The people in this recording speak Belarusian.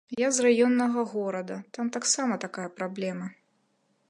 Я з раённага горада, там таксама такая праблема.